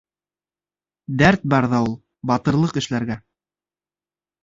— Дәрт бар ҙа ул батырлыҡ эшләргә...